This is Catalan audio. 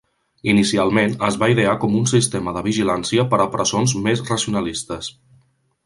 Inicialment, es va idear com un sistema de vigilància per a presons més racionalistes.